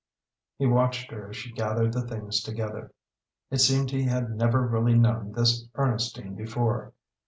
He watched her as she gathered the things together. It seemed he had never really known this Ernestine before.